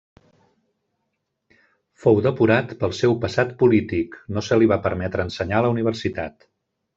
Fou depurat pel seu passat polític, no se li va permetre ensenyar a la Universitat.